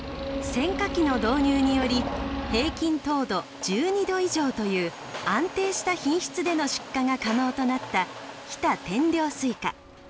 選果機の導入により平均糖度１２度以上という安定した品質での出荷が可能となった日田天領スイカ。